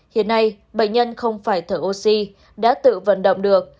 hiện nay bệnh nhân không phải thở oxy đã tự vận động được